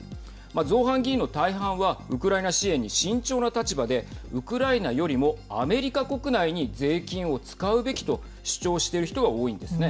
造反議員の大半はウクライナ支援に慎重な立場で、ウクライナよりもアメリカ国内に税金を使うべきと主張している人が多いんですね。